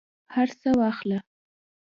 هرڅه واخله